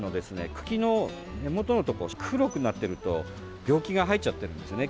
茎の根元のところ黒くなっていると病気が入っちゃってるんですね。